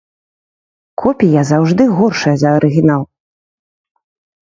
Копія заўжды горшая за арыгінал.